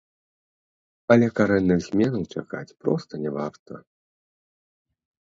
Але карэнных зменаў чакаць проста не варта.